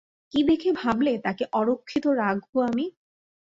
কী দেখে ভাবলে তাকে অরক্ষিত রাখবো আমি?